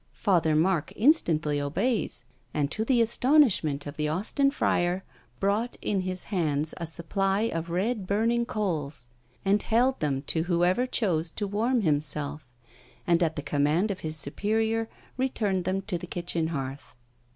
Father Mark instantly obeys, and, to the astonishment of the Austin friar, brought in his hands a supply of red burning coals, and held them to whoever chose to warm himself; and at the command of his superior returned them to the kitchen hearth.